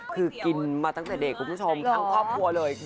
เขากินมาตั้งแต่เด็ดคุณผู้ชมทั้งครอบครัวเลยอย่าเกลียวใช่เหรอ